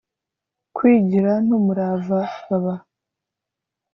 Kwigira n umurava baba